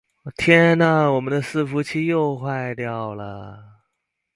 天啊！我們的伺服器又壞掉了